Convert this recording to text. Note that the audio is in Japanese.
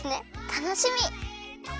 たのしみ！